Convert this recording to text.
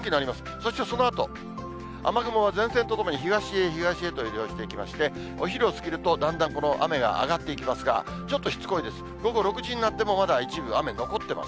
そしてそのあと、雨雲は前線とともに東へ東へと移動していきまして、お昼を過ぎるとだんだんこの雨が上がっていきますが、ちょっとしつこいです。